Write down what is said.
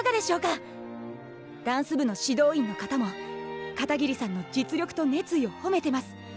ダンス部の指導員の方も片桐さんの実力と熱意を褒めてます。